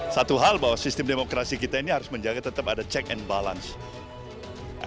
satu hal bahwa sistem demokrasi kita ini harus menjaga tetap ada check and balance